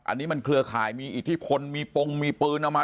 อันนี้มันเครือข่ายมีอิทธิพลมีปงมีปืนเอามา